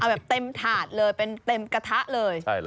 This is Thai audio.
แบบเต็มถาดเลยเป็นเต็มกระทะเลย